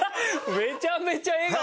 めちゃめちゃ笑顔で。